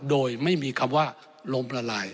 โดยไม่มีคำว่าลมละลาย